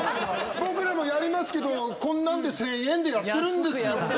僕らもやりますけどこんなんで１，０００円でやってるんですよ。